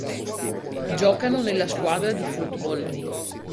Giocano nella squadra di football.